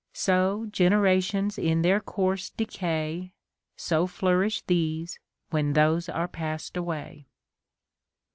So generations in their course decay ; So flourish these, when those are past away.